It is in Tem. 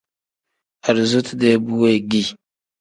Arizotu-dee bu weegii.